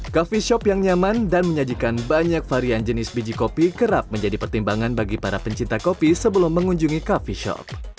coffee shop yang nyaman dan menyajikan banyak varian jenis biji kopi kerap menjadi pertimbangan bagi para pencinta kopi sebelum mengunjungi coffee shop